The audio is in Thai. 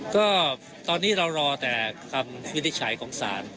ก็ตอนนี้เรารอแต่คำวินิจฉัยของศาล